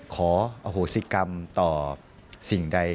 ขออโหสิกรรมต่อสิ่งใด